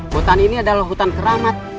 hutan ini adalah hutan keramat